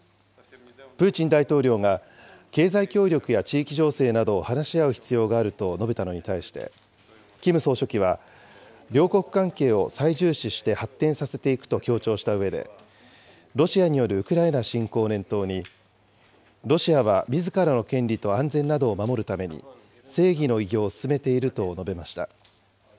プーチン大統領が経済協力や地域情勢などを話し合う必要があると述べたのに対して、キム総書記は、両国関係を最重視して発展させていくと強調したうえで、ロシアによるウクライナ侵攻を念頭に、ロシアはみずからの権利と安全などを守るために正義の偉業を進めていると述べました。